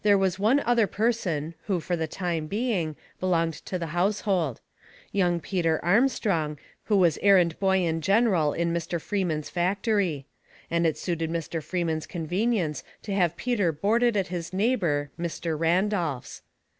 There was one other person, who for the time being, belonged to the household: young Peter Armstrong, who was errand boy in general in Mr. Freeman's factory; and it suited Mr. Freeman's convenience to have Peter boarded at his neighbor Mr. Randolph's.